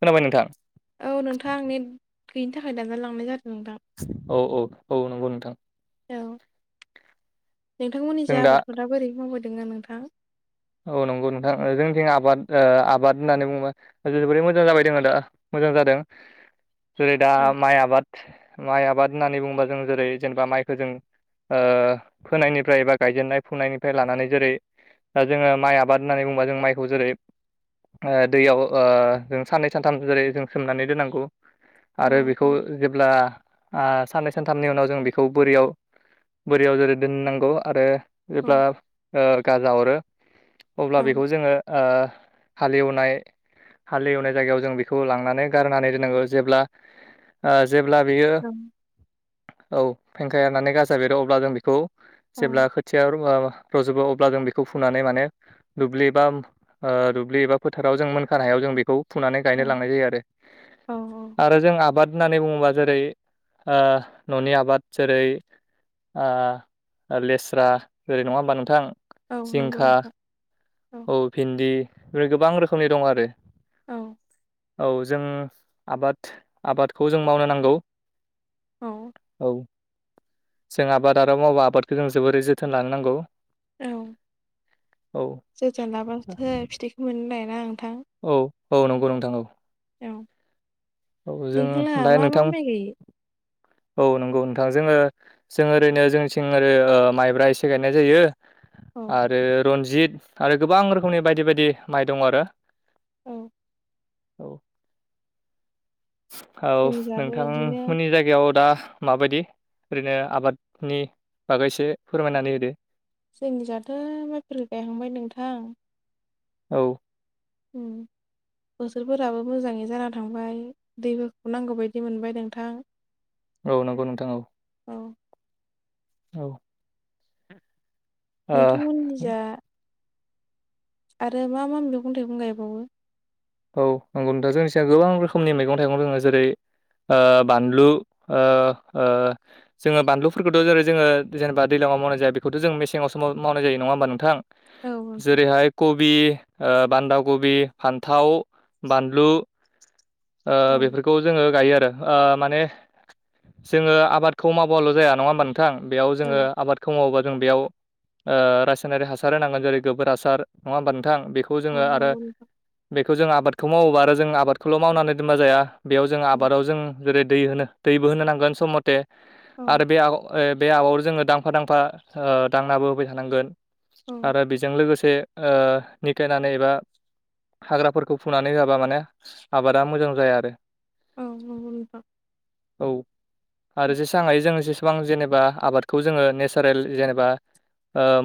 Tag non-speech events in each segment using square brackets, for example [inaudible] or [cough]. खोनाबाय नोंथां औ नोंथाङा नेध गैयिनि थाखाय दानज लांनाय जादों नोंथां। औ, औ, औ नंगौ नोंथां। औ नोंथांमोननि जा आबादखौ दा बोरै मावबोदोंङ नोंथां औ नंगौ नोंथां जोंथिं आबाद आबाद होननानै बुंङोबा जोबोरै मोजां जाबाय दङ दा मोजां जादों। जेरै दा औ माइ आबाद माइ आबाद होननानै बुंङोबा जों जेरै, जेनेबा माइखो जों फोनायनिफ्राय एबा गायजेननाय फुंनायनिफ्राय लानानै जेरै दा जोङो माइ आबाद होननानैुङोबा जों माइखौ जेरै दैयाव जों साननै सानथाम जेरै जों सोमनानै दोननांगौ औ आरो बेखौ औ जेब्ला साननै सानथामनि उनाव जों बेखौ बोरियाव बोरियाव जेरै दोननांगौ आरो औ जेब्ला गाजा हरो औ अब्ला बेखौ जोङो हालेवनाय हालेवनाय जायगायाव जों बेखौ लांनानै गारनानै दोननांगौ। जेब्ला जेब्ला बेयो औ फेंखाया होननानै गाजा बेरो अब्ला जों बेखौ औ जेब्ला खोथिया रजोबो अब्ला जों बेखौ फुयो फुनानै माने दुब्लि एबा दुब्लि एबा फोथाराव जों मोनखानो हायाव जों बेखौ फुनानै गायनो औ लांनाय जायो आरो। औ औ आरो जों आबाद होननानै बुङोबा जेरै ओ न'नि आबाद जेरै ओ लेस्रा ओेरै नङा होमबा नोंथां? औ नंगौ जिंखा नोंथां। औ भिन्दि बे गोबां रोखोमनि दं आरो औ- औ जों आबाद आबादखौ जों मावनो नांगौ औ औ जों आबाद आरोाव मावबा आबादखौ जों जोबोरै जोथोन लानो नांगौ औ औ जोथोन लाबथायो फिथाइखौ मोनो लायोना नोंथां? औ, औ नंगौ नोंथां औ औ औ जों नोंथां लाहा ओमफ्राय मा मा नोंथां माइ गायो? औ नंगौ नोंथां जोङो जों ओरैनो जोंनिथिं ओरै माइब्रा एसे गायनाय जायो औ आरो रन्जित आरो गोबां रोखोमनि बायदि बायदि माइ दं आरो औ। औ औ जोंनि जाबो इदिनो नोंथांमोननि जायगायाव जायगायाव दा माबायदि ओरैनो आबादनि बागैसे फोरमायनानै होदो जोंनि जाथ' माइफोर गायहांबाय नोंथां औ उम बोसोरफोराबो मोजाङै जाना थांबाय दैफोरखौ नांगौ बायदि मोनबाय नोंथां औ नंगौ नोंथां औ औ औ ओ नोंथांमोननि जा आरो मा मा मैगं थाइगं गायबावो? औ नंगौ नोंथां जोंनि सायाव गोबां रोखोमनि मैगं थाइगं दोङ जेरै बानलु ओ ओ जोङो बानलुफोरखौ' जेरै जोङो जेनेबा दैलांआव मावनाय जाया बेखौथ' जोंङो मेसेङावसो माव मावनाय जायो नङा होमबा नोंथां? औ नोंथां जेरैहाय कबि ओ बान्दा कबि फान थाव बानलु ओ‌ औ बेफोरखौ जोङो गायो आरोओ माने जोङो आबादखौ मावाल' जाया नङा होमबा बेयाव औ जोङो आबाद खोबा जों बेयाव ओ रासायनारि हासार होनांगोन जेरै गोबोर हासार नङा होमबा नोंथां बेखौ खौ जोङो औ आरो नंगौ नोंथां बेखौ जों आबादखौ मावोबा आरो जों आबादखौल' मावनानै दोनबा जाया बेयाव जों उम आबादाव जों जेरै दै होनो दैबो होनो नांगोन सम मथे औ आरो बे बे आबायाव जोङो दांफा दांफा दांनाबो होबाय थानांगोन आरो बेजों जों लोगोसेओ निकायनानै एबा हाग्राफोरखौ फुनानै होाबा माने आबादा मोजां जाया आरो औ नगौ नोंथां। औ उम आरो जेसां हायो जोङो जे गोबां जेनेबा आबादखौ जोङो नेचारेल जेनेबा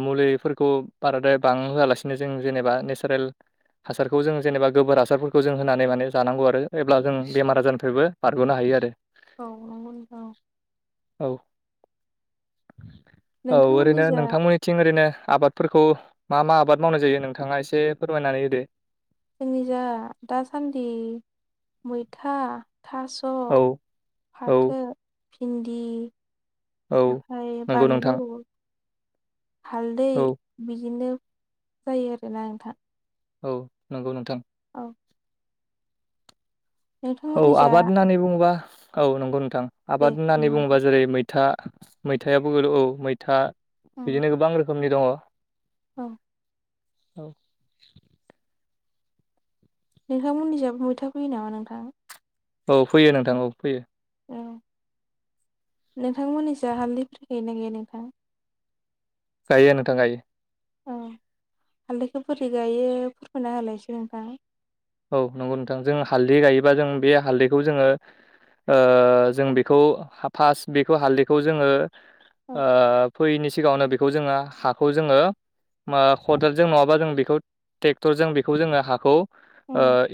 मुलिफोरखौ बाराद्राय बां होआलासिनो जों जेनेबा नेचारेल बे जों जेनेबा गोबोर हासारफोरखौ जों होनानै माने जानांगौ आरो अब्ला जों बेमार आजारनिफ्रायबो बारग'नो हायो आरो औ औ नं गौ नोंथां औ औ औ नोंथांमोननि ओरैनो जा नोंथांमोननि थिं ओरैनो आबादफोरखौ मा मा आबाद मावनाय जायो नोंथाङा एसे फोरमायनानै हो दे जोंनि जा दासान्दि मैथा थास' औ औ फाथो भिन्दि औ ओमफफ्राय नंगौ नोंथां बानलु हालदै औ बिदिनो जायो आरोना नोंथां औ नंगौ नोंथां औ औ नोंथांमोननि जा आबाद होननानै बुङोबा औ नंगौ नोंथां दे आबाद बुं होननानै नोंथां बुङोबा जेरै मै मैथा मैथायाबो गोल औ मैथा उम बिदिनो गोबां रोखोमनि दङ' औ नोंथांमोनननि जाबो मैथा फैयो नामा नोंथां औ फैयो नोंथां औ फैयो औ नोंथांमोननिसो हालदैफोरख ना गैया नोंथां गायो नोंथां गायो औ हालदैखौ बोरै गायो फोरमायना होलायसै नोंथाङा औ नंगौ नोंथां जों हालदै गायोबा जों बे हालदैखौ जोङो जों बेखौ फास्ट बेखौ हालदैखौ जोङो औ फैयैनि सिगाङावनो बेखौ जोङो हाखौ जोङो मा औ खदालजों नङाबा जों बेखौ ट्रेक्टरजों बेखौ जोङो हाखौ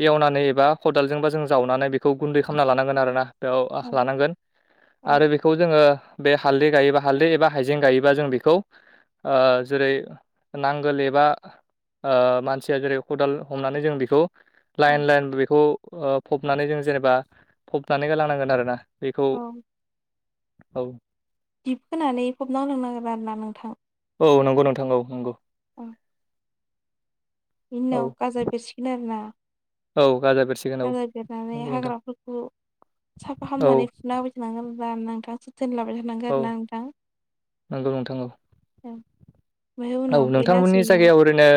एवनानै एबा खदालजोंबा जों जावनानै बेखौ गुन्दै खालामना लानांगोन आर ना बेयाव औ लानांगोन औ आरो बे बेखौ जोङो बे हालदै गायोबा हालदै एबा हाइजें गायोबा जों बेखौ ओ जेरै नांगोल एबा मानसिया जेरै खदाल हमनानै जों बेखौ औ लाइन लाइनबो बेखौ ओ फबनानै जों जेनेबा फबनानै ग लानांगोन आरोना बेखौ औ औ दिब होनोनानै फबना लोंनांगोन आरो ना नोंथां औ नंगौ नोंथां औ नंगौ औ औ बेनिनाव गाजा बेरसिगोन आरोना औ गाजा बेरसिगोन औ जाजा देरनानै नंगौ नोंथां हाग्राफोरखौ साफा औ खालामामनानै फुना थांगोना नोंथां जोथोन लाबाय थानांगोन औ आरो ना नोंथां नंगौ नोंथां औ औ बाहाय औ उनाव बि नोंथांमोननि लासिनो जायगायाव ओरैनो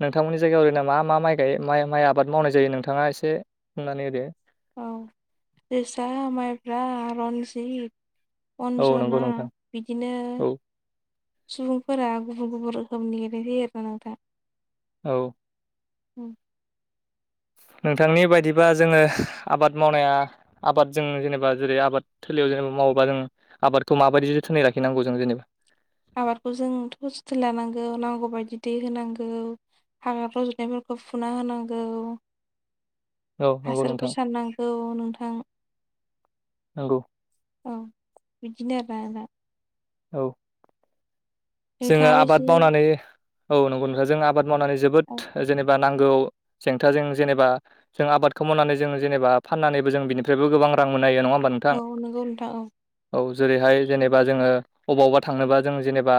नोंथांमोननि जायगायाव ओरैनो मा मा माइ गायो मा-माइ आबाद मावनाय जायो नोंथाङा एसे बुंनानै ओरै औ जोसा माइब्रा रनजित औ अन्जना नंगौ नोंथां बिदिनो औ सुबुंफोरा गुबुन गुबुन रोखोमनि गेले होयो आरोना आं दा औ नोंथांनि बायदिबा जोङो आबाद मावनाया आबाद जों जेनेबा जेरै आबाद थलियाव जेनेबा मावोबा जों आबादखौ माबायदि जदि थोनै लाखिनांग जेनबा आबादखौ जोंथ' जोथोन लानांगौ नांगौबायायदि दै होनांगौ हाग्रा रज'नायफोरखौ फुना होनांगौ औ नंगौ हासारफोर नोंथां सारनांगौ नोंथां नंगौ औ बिदिनो आरो आ दा औ जोङो नोंथाङाबो आबाद एसे मावनानै औ नंगौ नखा जों आबाद मावनानै जोबोद औ जेनेबा नांगौ जेंथाजों जेनेबा जों आबादखौ मावनानै जों जेनेबा फाननानैबो जों बिनिफ्रायबो गोबां रां मोननो हायो नङा होमब्ल औ नोंगौ नोंथां औ औ जेरैहाय जेनेबा जोङो अबावबा थांनोबा जों जेनेबा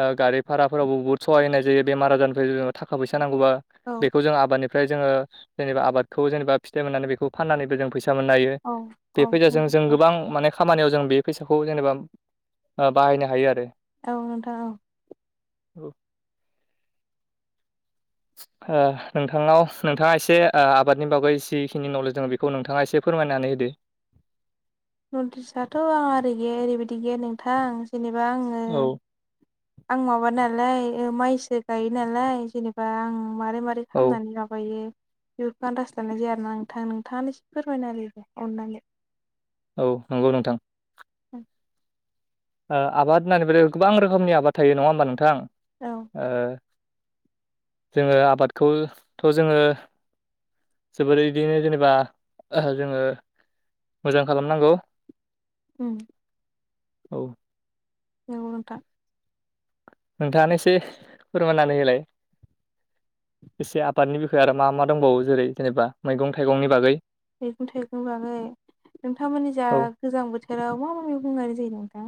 ओ गारि भाराफोरावबो बहुत सहाय होनाय जायो बेमार आजारनिफ्राय ओ थाखा फैसा नांगौबा औ बेखौ जों आबादनि फ्राय जोङो जेनेबा आबादखौ जेनेबा फिथाइ मोननानै बेखौ फाननानैबो जों फैसा मोननो हायो। औ बे औ नंगौ फैसाजों जों नोंथां गोबां माने खामानियाव जों बे फैसाखौ जेनेबा ओ बाहायनो हायो आरो औ नोंथां औ औ ओ नोंथांनाव नोंथाङा एसे ओ आबादनि बागै जिखिनि नलेज दङ' बे खौ नोंथाङा एसे फोरमायनानै होदो [unintelligible] आ ओरै गैया ओरैबायदि गैया नोंथां आं जेनेबा आङो औ आं माबा नालाय ओ माइसो गायो नालाय जेनेब बा आं मारै मारै औ खालामनानै माबायो बेफोरखो आनदाज लानाय जाया आरोना नोंथां नोंथाङानो ए फोरमायना आरो अननानै औ नंगौ नोंथां औ ओ आबाद होननानै बोदि गोबां रोखोमनि आबाद थायो नङा होमबा नोंथां औ ओ जोङो आबादखौथ जोङो जोबोर दि जेनेबा जोङो मोजां खालामनांगौ। उम औ नोंगौ नोंथां नोंथाङानो एसे फोरमायनानै होलाय एसे आबादनि बिखय आरो मा-मा दंबावो जेरै जेनेबा मैगं थाइगंनि बागै मैगं थाइगं बाङै नोंथांमोननिजा औ गोजां बोथोराव मा मा मैगं गायनाय जायो नोंथां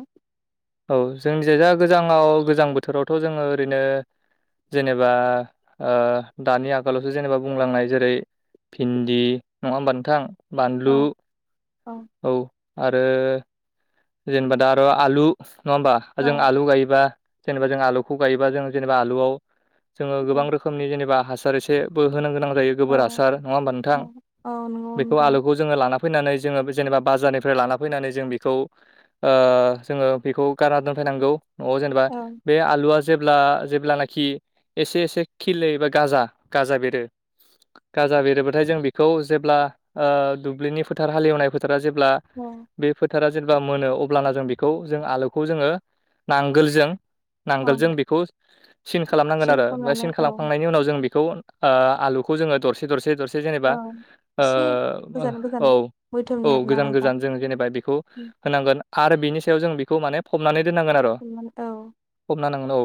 औ जोंनि जायजा गोजाङाव गोजां बोथोरावथ जोङो ओरैनो जेनेबा ओ दानि आगोलावसो जेनेबा बुंलांनाय जेरै भिन्दि नङा होमबा नोंथां बानलु औ औ औ आरो जेनेबा दा आरो आलु नङा होमबा औ जों आलु गायोबा जेनेबा जों आलुखौ गायोबा जों जेनेबा आलुयाव जोङो औ गोबां रोखोमनि जेनेबा हास [unintelligible] एसेबो होनो गोनांबो जायो औ गोबोर हासार नङा होमबा नोंथां औ औ नंगौ बेखौ नोंथां। आलुखौ जोङो लाना फैनानै जोङो जेनेबा बाजारनिफ्राय लाना फैनानै जों बेखौ ओ जोङो बेखौ गारना दोनफैनांगौ नआव जेनेबा औ बे आलुआ जेब्ला जेब्लानाखि एसे एसे खिले बा गाजा गाजा बेरो गाजा बेरोबाथाय जों बेखौ जेब्ला ओ दुब्लिनि फोथार हालेवनाय फो फोथारा जेब्ला औ बे फोथारा जेब्ला मोनो अब्लाना जों बेखौ जों आलुखौ जोङो नांगोलजों नांगोल औ जों बेखौ सिन खालामनांगोन सिन आरो बा खालामनानै सिन औ खालामखांनायनि उनाव जों बेखौ ओ आलुखौ जोङो दरसे दरसे दर फोर जेनेबा एसे गोजान गोजान ओ मोदोमनि औ-औ आरोना गोजान नोंथां गोजान जों जेनेबा बेखौ होनांगोन आरो बिनि सायाव जों बिखौ माने फबनानै दोननांगोन आर औ फबना होनांगोन औ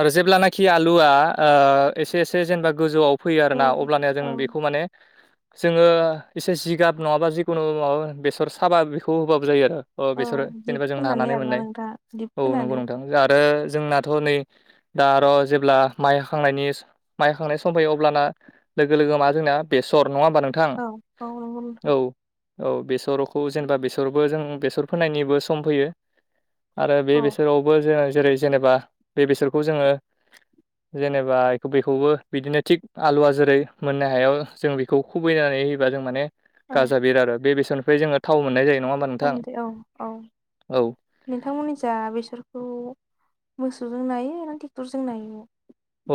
आरो जेब्लानाखि आलुआ ओ एसे एसे जेनेबा गोजौआव फैयो जौ आरोना अब्लानिया जों बेखौ माने जोङो एसे जिगाब नङाबा जिखुनु माबा बेसर साबा बेखौ होबाबो जायो आरो अ औ बेसरो दिप जेनेबा जों फोननानै नानानै आरोना मोननाय नोंथां दिप औ नंगौ खोनानै नोंथां जों आरो जोंनाथ नै दा आर जेब्ला माइ हाखांनायनि माइ हाखांनाय सम फैयो अब्लाना लोगो लोगो मा जोंना बेसर नङा होमबा नों थां औ औ नंगौ नोंथां औ-औ बेसरखौ जेनेबा बे जों बेसर फोनायनिबो सम फैयो आरो बे औ बेसरावबो जों जेरै जेनेबा बे बेसरखौ जोङो जेनेबा बेखौबो बिदिनो थिग आलुवा जेरै मोननो हायाव जों बि खौ खुबैनानै होयोबा जों माने गाजा बिरो आरो बेसननिफ्राय जोङो थाव मोननाय जायो नङा होमबा नोंथां औ-औ औ नोंथांमोननि जा बेसरखौ मोसौजों नायो ना ट्रेक्टरजों नायो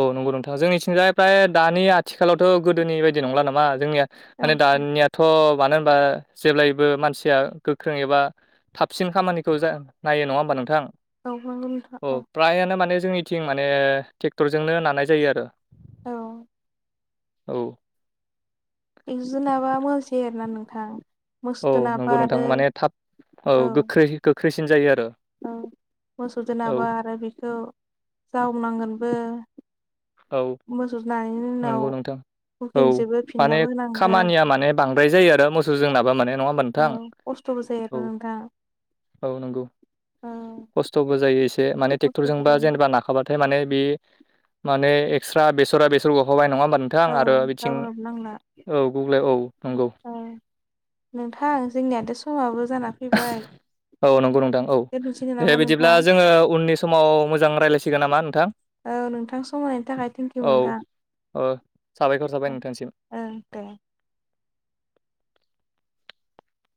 औ नंगौ नोंथाङा जोंनिथिंजाय फ्राय दानि आथिखालावथ' गोदोनि बायदि नंला नामा जोंनिया औ माने दानियाथ' मानो होनबा जेब्लायबो मानसिया गोख्रों एबा थाबसिन खामानिखौ नायो नङा होमबा नोंथां औ नोंगौ नोंथां औ फ्रायानो माने जोंनिथिं माने ट्रेक्टरजोंनो नानाय जायो आरो औ औ एकजुनाबा मोसै आरोना नोंथां औ मोसौजों नाबा नंगौ नोंथां आरो माने थाब औ गोख्रै गोख्रैसिन जायो आरो औ मोसौ जों औ नाबा आरो बेखौ जावनांगोनबो औ मोसौ जानायनि उनाव नंगौ नोंथां औ हुकेनजोंबो माने फिननाबो होनांगोन खामानिया माने बांद्राय जायो आरो मोसौ जोंनाब मे नङा औ नोंथां खस्थ'बो जायो औ आरो नों दा औ नंगौ खस्थ'बो जायो एसे माने खस्थ'बो ट्रेक्टरजोंबा जायो जेनेबा बाथाय माने बे माने एक्सट्रा बेसरा बेसर गखाबाय नङा होमबा नोंथां औ आरो बिथिं जावनोबो औ गुग्ले औ नंगौ ए नोंथां जोंनियाथ' समाबो जाना फैबाय औ नंगौ नोंथां औ दोनथ'सैनो दे नामा बिदिब्ला नोंथां? जोङो उननि सम समाव मोजां रायजल्लायसिगोन नामा नोंथां औ नोंथां समायनायनि थाखाय थेंकिउ औ नोंथां औ साबायखर थाबाय नोंथांसिम ओं दे